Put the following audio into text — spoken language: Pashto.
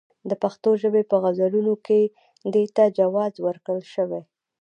د پښتو ژبې په غزلونو کې دې ته جواز ورکړل شوی.